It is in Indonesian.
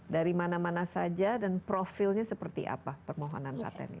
dari mana mana saja dan profilnya seperti apa permohonan patenis